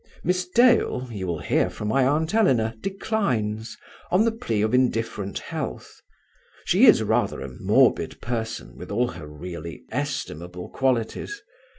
"Miss Dale, you will hear from my aunt Eleanor, declines, on the plea of indifferent health. She is rather a morbid person, with all her really estimable qualities.